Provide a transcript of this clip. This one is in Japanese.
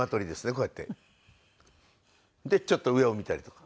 こうやって。でちょっと上を見たりとか。